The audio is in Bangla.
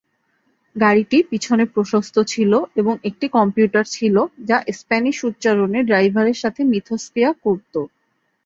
গাড়িটি পিছনে প্রশস্ত ছিল এবং একটি কম্পিউটার ছিল যা স্প্যানিশ উচ্চারণে ড্রাইভারের সাথে মিথস্ক্রিয়া করতো।